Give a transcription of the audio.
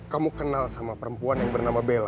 kamu kenal sama perempuan yang bernama bella